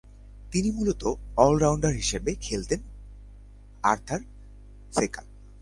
তিনি মূলতঃ অল-রাউন্ডার হিসেবে খেলতেন আর্থার সেকাল।